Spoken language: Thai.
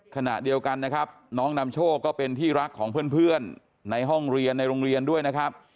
ขณะเดียวกันนะครับน้องนำโชคก็เป็นที่รักของเพื่อนในห้องเรียนในโรงเรียนด้วยนะครับ